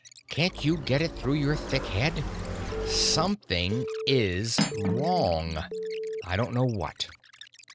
Can't you get it through your thick head? Something is wrong. I don't know what.